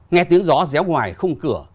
nghe tiếng gió réo ngoài khung cửa